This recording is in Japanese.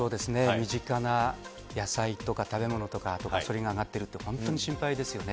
身近な野菜とか食べ物とか、しょうゆが上がってるとか、本当に心配ですよね。